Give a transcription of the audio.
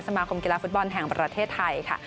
สมาคมกีฬาฟุตบอลแห่งประเทศไทยค่ะ